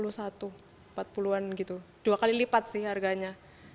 rp empat puluh gitu dua kali lipat sih harganya